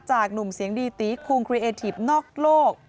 หนุ่มเสียงดีตีคูงครีเอทีฟนอกโลก